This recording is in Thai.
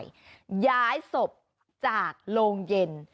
ย้ายศพจากโรงเย็น